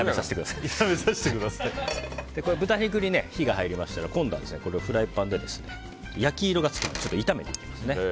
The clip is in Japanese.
豚肉に火が入りましたら今度はフライパンで焼き色がつくまで炒めます。